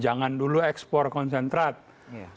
jangan dulu ekspor konsentrasi